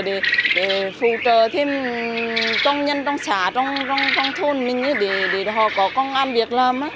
để phụ trợ thêm công nhân trong xã trong thôn mình như để họ có công an việc làm